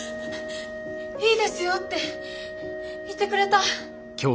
「いいですよ」って言ってくれた！